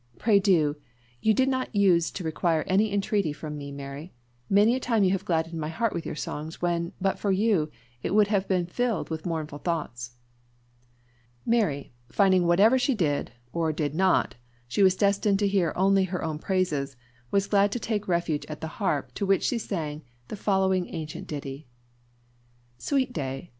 Pray do: you did not use to require any entreaty from me, Mary! Many a time you have gladdened my heart with your songs when, but for you, it would have been filled with mournful thoughts!" Mary, finding whatever she did or did not, she was destined to hear only her own praises, was glad to take refuge at the harp, to which she sang the following ancient ditty: "Sweet day!